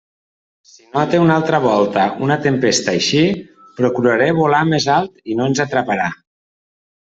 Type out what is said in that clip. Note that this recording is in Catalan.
Si note una altra volta una tempesta així, procuraré volar més alt i no ens atraparà.